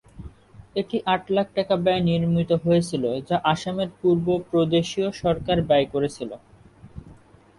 এটি আট লাখ টাকা ব্যয়ে নির্মিত হয়েছিল, যা আসামের পূর্ব প্রদেশীয় সরকার ব্যয় করেছিল।